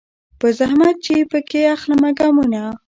په زحمت چي پکښي اخلمه ګامونه